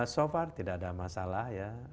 so far tidak ada masalah ya